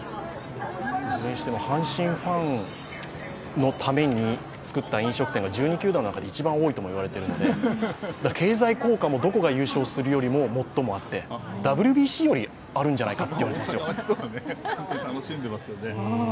いずれにしても阪神ファンのために作った飲食店が１２球団の中で一番多いとも言われているので、経済効果もどこが優勝するよりもあるんじゃないかと言われて、ＷＢＣよりあるんじゃないかと。